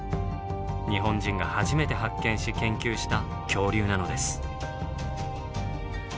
日本人が初めて発見し研究した恐竜なのです。